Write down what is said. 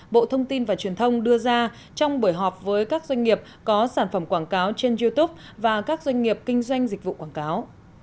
bộ thông tin và truyền thông đưa ra trong buổi họp với các doanh nghiệp có sản phẩm quảng cáo trên youtube và các doanh nghiệp kinh doanh dịch vụ quảng cáo